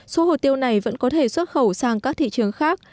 số hồ tiêu này vẫn có thể xuất khẩu sang các thị trường khác